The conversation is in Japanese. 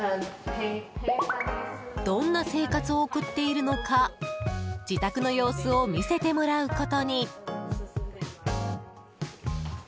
どんな生活を送っているのか自宅の様子を見せてもらうことに。